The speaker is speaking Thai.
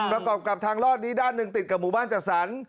แล้วก็กลับทางลอดนี้ด้านหนึ่งติดกับหมู่บ้านจักษร